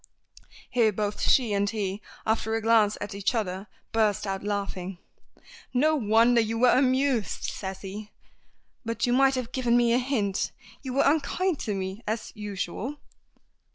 Here both she and he, after a glance at each other, burst out laughing. "No wonder you were amused," says he, "but you might have given me a hint. You were unkind to me as usual."